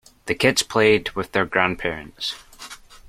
The kids played with their grandparents.